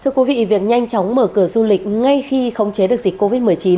thưa quý vị việc nhanh chóng mở cửa du lịch ngay khi khống chế được dịch covid một mươi chín